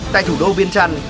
tại thủ đô viên trần